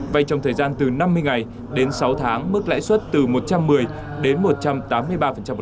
vay trong thời gian từ năm mươi ngày đến sáu tháng mức lãi suất từ một trăm một mươi đến một trăm tám mươi ba một